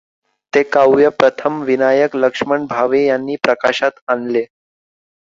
ते काव्य प्रथम विनायक लक्ष्मण भावे यांनी प्रकाशात आणले.